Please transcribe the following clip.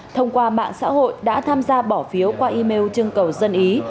thông qua mạng xã hội đã tham gia bỏ phiếu qua email trưng cầu dân ý